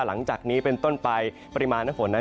หลังจากนี้เป็นต้นไปปริมาณน้ำฝนนั้น